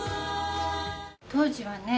当時はね。